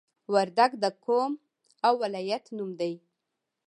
وردګ د قوم او ولایت نوم دی